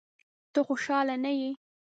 ته خوشاله نه یې؟